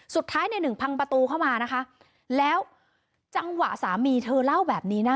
สุดท้ายในหนึ่งพังประตูเข้ามานะคะแล้วจังหวะสามีเธอเล่าแบบนี้นะ